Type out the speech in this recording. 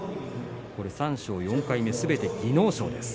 三賞４回目、すべて技能賞です。